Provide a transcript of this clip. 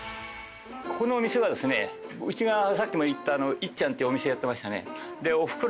ここのお店はですねうちがさっきも言った「いっちゃん」ってお店やってましたね。